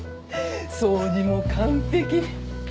掃除も完璧。